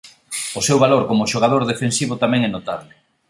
O seu valor como xogador defensivo tamén é notable.